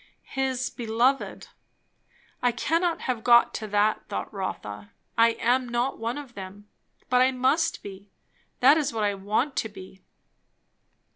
"His beloved." I cannot have got to that, thought Rotha. I am not one of them. But I must be. That is what I want to be.